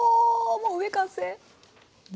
もう上完成？で。